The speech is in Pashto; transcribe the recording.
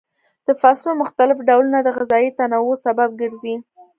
د فصلونو مختلف ډولونه د غذایي تنوع سبب ګرځي.